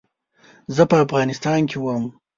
زه په افغانستان کې وم.